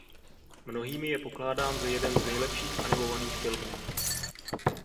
Mnohými je pokládán za jeden z nejlepších animovaných filmů.